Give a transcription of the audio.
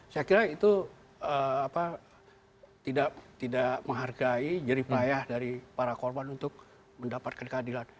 saya kira itu tidak menghargai jeripayah dari para korban untuk mendapatkan keadilan